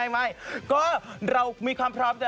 ไม่ก็เรามีความพร้อมนะ